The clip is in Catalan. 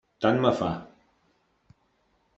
Tant me fa.